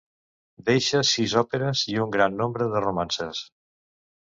Deixà sis òperes i un gran nombre de romances.